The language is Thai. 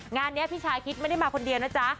งานนี้พี่ชาคิดไม่ได้มาคนเดียวนะจ๊ะ